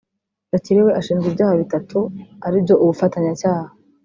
Gakire we ashinjwa ibyaha bitatu aribyo ubufatanyacyaha